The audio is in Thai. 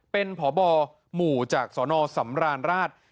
เป็นพบหมู่จากสนสำราญราช